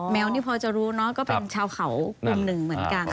แม้วที่พอจะรู้ก็เป็นชาวเขาอุ่นหนึ่งเหมือนกันค่ะ